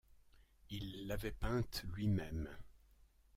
Il l’avait peinte lui-même